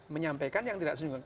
menyampaikan yang tidak sesungguhnya